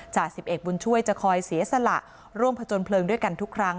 จ่าสิบเอกบุญช่วยจะคอยเสียสละร่วมผจญเพลิงด้วยกันทุกครั้ง